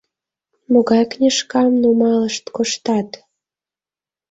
Могай книжкам нумалышт коштат?